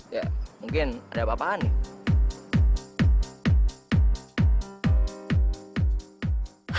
ya mungkin ada apa apaan nih